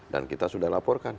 dan kita sudah laporkan